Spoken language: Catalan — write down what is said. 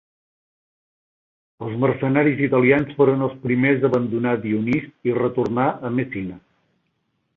Els mercenaris italians foren els primers a abandonar Dionís i retornar a Messina.